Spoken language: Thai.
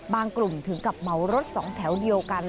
กลุ่มถึงกับเหมารถสองแถวเดียวกัน